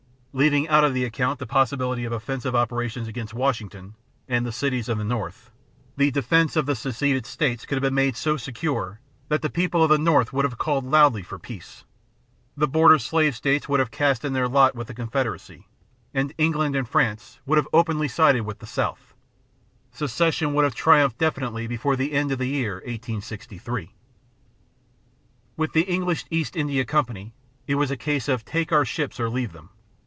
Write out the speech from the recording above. Leaving out of the account the possibility of offensive operations against Washington and the cities of the North, the defense of the seceded States could have been made so secure that the people of the North would have called loudly for peace; the border slave States would have cast in their lot with the Confederacy, and England and France would have openly sided with the South; secession would have triumphed definitely before the end of the year 1863. With the English East India Company, it was a case of "take our ships or leave them."